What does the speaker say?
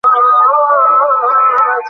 তিনি স্বল্পদৈর্ঘ্য চলচ্চিত্র নির্মাণ শুরু করেন।